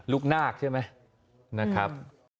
ลูกนาคใช่ไหม